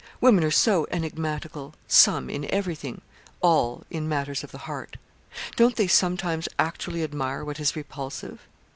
Women are so enigmatical some in everything all in matters of the heart. Don't they sometimes actually admire what is repulsive?